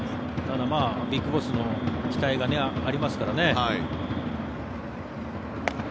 ＢＩＧＢＯＳＳの期待がありますからね。